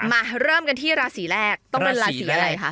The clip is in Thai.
มาเริ่มกันที่ราศีแรกต้องเป็นราศีอะไรคะ